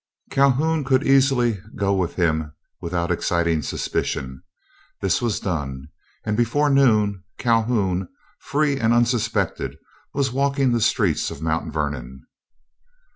Calhoun could easily go with him without exciting suspicion. This was done, and before noon Calhoun, free and unsuspected, was walking the streets of Mount Vernon.